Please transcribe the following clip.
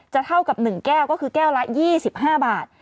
เท่ากับ๑แก้วก็คือแก้วละ๒๕บาท